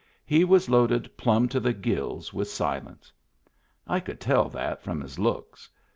He was loaded plumb to the gills with silence. I could tell that from his looks.